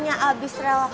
yaudah boleh yuk